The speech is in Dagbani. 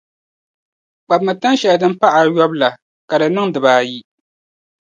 kpabimi tan’ shɛli din pah’ ayɔbu la ka di niŋ dib’ ayi.